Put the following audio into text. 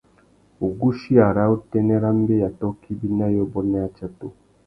Wuguchia râ utênê râ mbeya tôkô ibi na yôbôt na yatsatu.